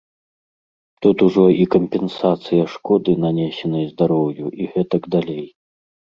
Тут ужо і кампенсацыя шкоды, нанесенай здароўю, і гэтак далей.